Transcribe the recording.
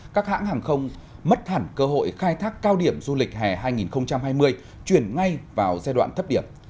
các hãng hàng không mất thẳng cơ hội khai thác cao điểm du lịch hè hai nghìn hai mươi chuyển ngay vào giai đoạn thấp điểm